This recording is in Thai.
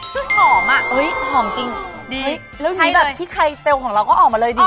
ซึ่งหอมอะอุ๊ยหอมจริงดีใช่เลยแล้วที่ไครเซลล์ของเราก็ออกมาเลยดิ